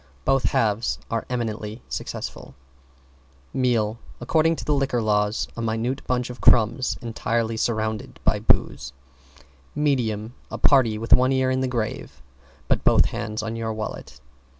Both halves are eminently successful. =MEAL= According to the Liquor Law, a minute bunch of crumbs entirely surrounded by booze. =MEDIUM= A party with one ear in the grave but both hands on your wallet.